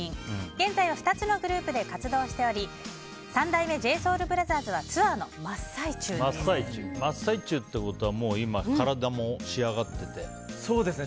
現在は２つのグループで活動しており三代目ＪＳＯＵＬＢＲＯＴＨＥＲＳは真っ最中ということはそうですね。